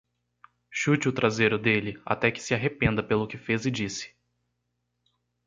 Chute o traseiro dele até que se arrependa pelo que fez e disse